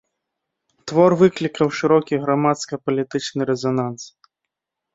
Твор выклікаў шырокі грамадска-палітычны рэзананс.